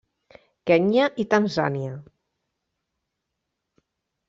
Kenya i Tanzània.